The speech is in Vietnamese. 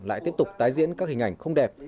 lại tiếp tục tái diễn các hình ảnh không đẹp